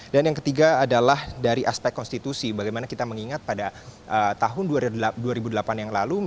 dan yang ketiga adalah dari aspek konstitusi bagaimana kita mengingat pada tahun dua ribu delapan yang lalu